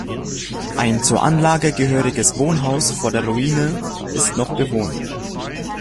Ein zur Anlage gehöriges Wohnhaus vor der Ruine ist noch bewohnt.